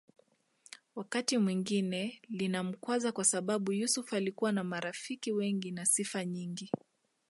Wakati mwingine linamkwaza kwasababu Yusuf alikuwa na marafiki wengi na sifa nyingi